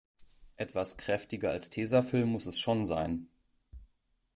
Etwas kräftiger als Tesafilm muss es schon sein.